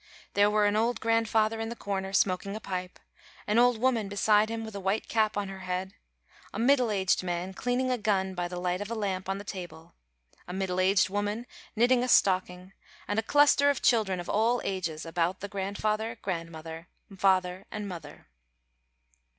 There were an old grandfather in the corner smoking a pipe, an old woman beside him with a white cap on her head, a middle aged man cleaning a gun by the light of a lamp on the table, a middle aged woman knitting a stocking, and a cluster of children of all ages about the grandfather, grandmother, father and mother.